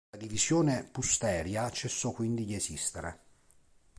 La divisione Pusteria cessò quindi di esistere.